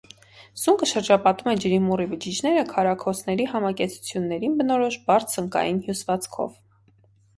Սունկը շրջապատում է ջրիմուռի բջիջները քարաքոսերի համակեցություններին բնորոշ բարդ սնկային հյուսվածքով։